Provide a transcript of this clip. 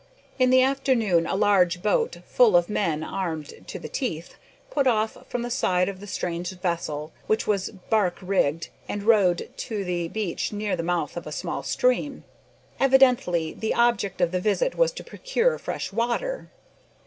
In the afternoon a large boat, full of men armed to the teeth, put off from the side of the strange vessel, which was barque rigged, and rowed to the beach near the mouth of a small stream. Evidently the object of the visit was to procure fresh water.